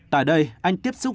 tại đây anh tiếp xúc